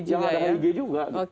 iya yang ada hig juga